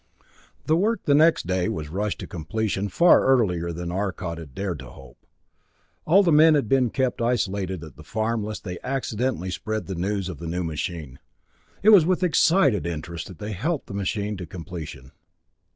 The work the next day was rushed to completion far earlier than Arcot had dared to hope. All the men had been kept isolated at the farm, lest they accidentally spread the news of the new machine. It was with excited interest that they helped the machine to completion.